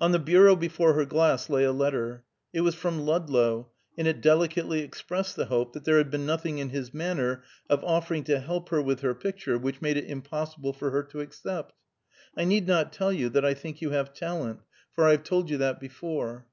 On the bureau before her glass lay a letter. It was from Ludlow, and it delicately expressed the hope that there had been nothing in his manner of offering to help her with her picture which made it impossible for her to accept. "I need not tell you that I think you have talent, for I have told you that before.